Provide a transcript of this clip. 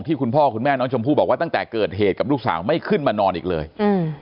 คุณพ่อคุณแม่น้องชมพู่บอกว่าตั้งแต่เกิดเหตุกับลูกสาวไม่ขึ้นมานอนอีกเลยอืม